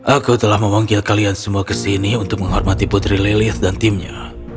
aku telah memanggil kalian semua ke sini untuk menghormati putri lelis dan timnya